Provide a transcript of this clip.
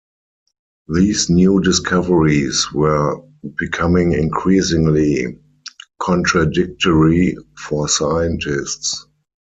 These new discoveries were becoming increasingly contradictory for scientists.